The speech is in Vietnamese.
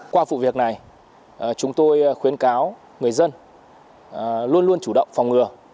qua vụ việc này chúng tôi khuyến cáo người dân luôn luôn chủ động phòng ngừa